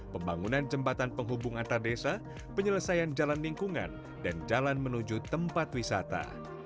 pembangunan jembatan penghubung antar desa penyelesaian jalan lingkungan dan jalan menuju tempat wisata